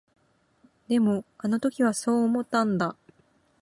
でも、あの時はそう思ったんだ。